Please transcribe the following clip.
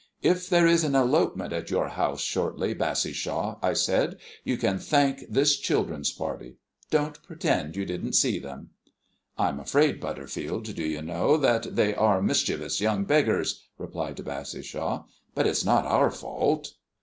"If there is an elopement at your house shortly, Bassishaw," I said, "you can thank this children's party. Don't pretend you didn't see them." "I'm afraid, Butterfield, do you know, that they are mischievous young beggars," replied Bassishaw; "but it's not our fault."